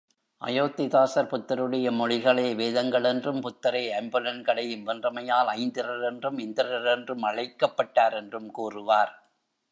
அயோத்திதாசர் புத்தருடைய மொழிகளே வேதங்களென்றும் புத்தரே ஐம்புலன்களையும் வென்றமையால் ஐந்திரர் என்றும் இந்திரர் என்றும் அழைக்கப்பட்டார் என்றும் கூறுவார்.